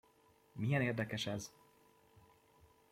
Milyen érdekes ez!